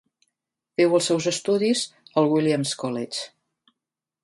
Féu els seus estudis al Williams College.